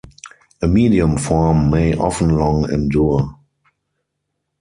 A medium form may often long endure.